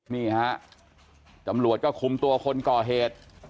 นี่ฮะตำรวจก็คุมตัวคนก่อเหตุ